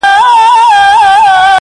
په سمه لاره کي پل مه ورانوی-